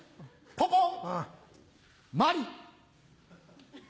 ポポン！